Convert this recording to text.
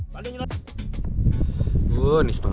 wah ini setengah aja udah masih berat